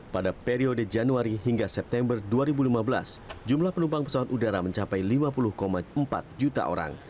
pada periode januari hingga september dua ribu lima belas jumlah penumpang pesawat udara mencapai lima puluh empat juta orang